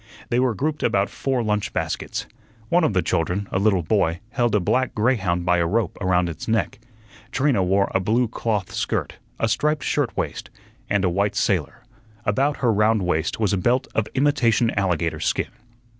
They were grouped about four lunch baskets. One of the children, a little boy, held a black greyhound by a rope around its neck. Trina wore a blue cloth skirt, a striped shirt waist, and a white sailor; about her round waist was a belt of imitation alligator skin.